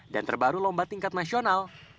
dan terbaru lomba tingkat nasional